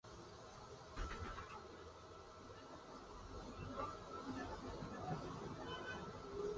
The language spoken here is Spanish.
Sur: Limita con el Municipio Urdaneta.